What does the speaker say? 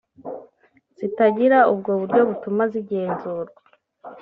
zitagira ubwo buryo butuma zigenzurwa